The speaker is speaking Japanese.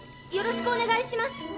よろしくお願いします。